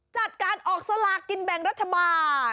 จัดการออกสลากินแบ่งรัฐบาล